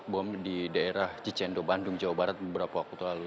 bom di daerah cicendo bandung jawa barat beberapa waktu lalu